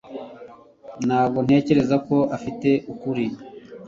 ntabwo ntekereza ko afite ukuri